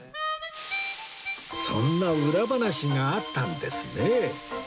そんな裏話があったんですね